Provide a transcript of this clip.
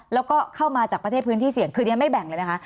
แล้วก็เข้ามาจากประเทศพื้นที่เสี่ยงคือเรียนไม่แบ่งเลยนะคะ